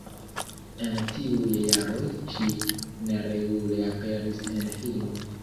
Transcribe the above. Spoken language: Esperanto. En tiuj jaroj, ŝi neregule aperis en filmoj.